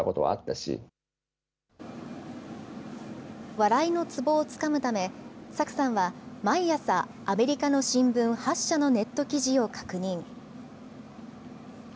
笑いのツボをつかむため、Ｓａｋｕさんは毎朝、アメリカの新聞８社のネット記事を確認。